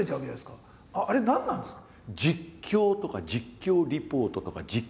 あれ何なんですか？